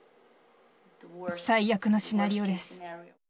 最悪のシナリオです。